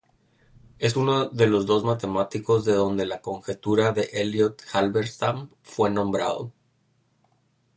Es uno de los dos matemáticos de donde la conjetura de Elliott–Halberstam fue nombrado.